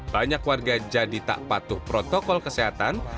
banyak warga jadi tak patuh protokol kesehatan